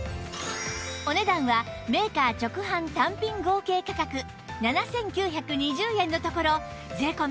お値段はメーカー直販単品合計価格７９２０円のところ税込